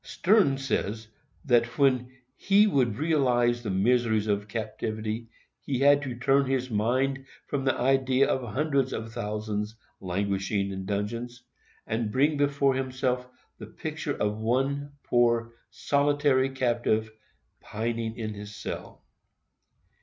Sterne says that when he would realize the miseries of captivity, he had to turn his mind from the idea of hundreds of thousands languishing in dungeons, and bring before himself the picture of one poor, solitary captive pining in his cell.